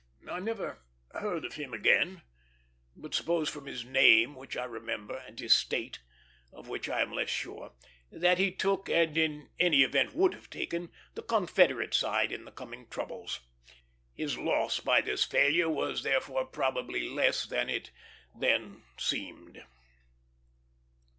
I never heard of him again; but suppose from his name, which I remember, and his State, of which I am less sure, that he took, and in any event would have taken, the Confederate side in the coming troubles. His loss by this failure was therefore probably less than it then seemed.